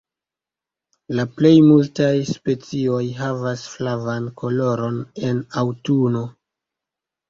La plej multaj specioj havas flavan koloron en aŭtuno.